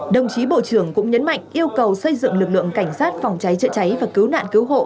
đồng chí bộ trưởng cũng nhấn mạnh yêu cầu xây dựng lực lượng cảnh sát phòng cháy chữa cháy và cứu nạn cứu hộ